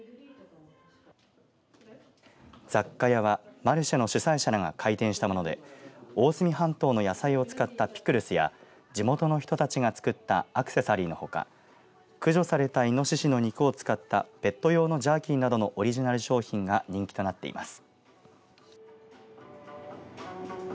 雑貨屋はマルシェの主催者らが開店したもので大隅半島の野菜を使ったピクルスや地元の人たちが作ったアクセサリーのほか駆除されたイノシシの肉を使ったペット用のジャーキーなどのオリジナル商品が人気となっています。